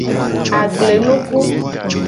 Agblenuku.